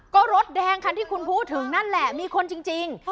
ก็รถแดงคันที่คุณพูดถึงนั่นแหละมีคนจริง